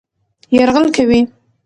يرغل کوي